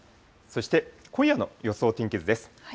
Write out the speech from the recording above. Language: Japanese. そして今夜の予想天気図です。